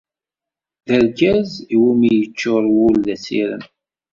D argaz iwumi yeččur wul d asirem.